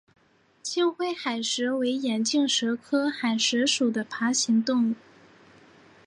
青灰海蛇为眼镜蛇科海蛇属的爬行动物。